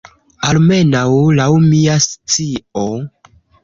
Almenaŭ laŭ mia scio.